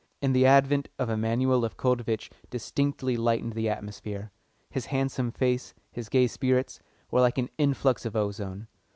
And the advent of Emanuel Lefkovitch distinctly lightened the atmosphere. His handsome face, his gay spirits, were like an influx of ozone.